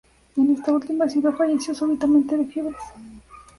En esta última ciudad falleció súbitamente de fiebres.